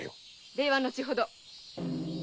礼は後ほど。